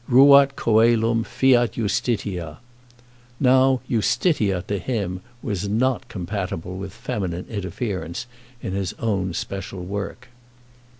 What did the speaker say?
Ruat coelum, fiat justitia. Now "justitia" to him was not compatible with feminine interference in his own special work.